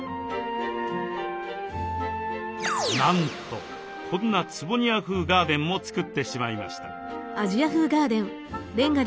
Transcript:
なんとこんな坪庭風ガーデンも作ってしまいました。